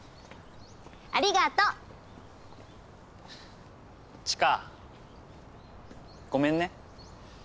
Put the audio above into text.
ありがとう！知花ごめんね。